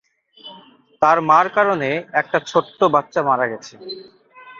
তার মার কারণে একটা ছোট্ট বাচ্চা মারা গেছে।